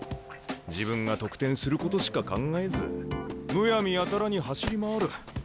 自分が得点することしか考えずむやみやたらに走り回る。